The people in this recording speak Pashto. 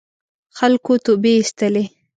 خلکو توبې اېستلې.